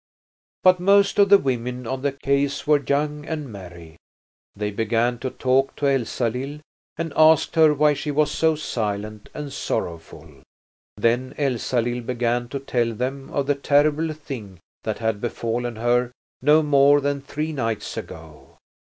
But most of the women on the quays were young and merry. They began to talk to Elsalill and asked her why she was so silent and sorrowful. Then Elsalill began to tell them of the terrible thing that had befallen her no more than three nights ago.